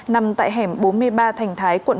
nằm tại hẻm bốn mươi ba thành thái quận một mươi